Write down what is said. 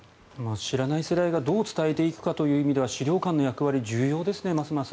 知らない世代がどう伝えていくかという意味では資料館の役割はますます重要ですね。